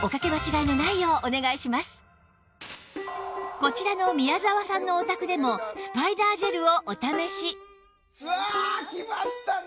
こちらの宮澤さんのお宅でもスパイダージェルをお試しうわきましたね！